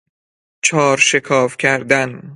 چار شکاف کردن